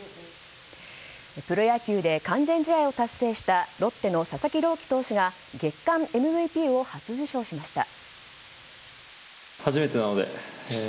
プロ野球で完全試合を達成したロッテの佐々木朗希投手が月間ＭＶＰを初受賞しました。